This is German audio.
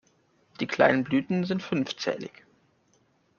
Die kleinen Blüten sind fünfzählig.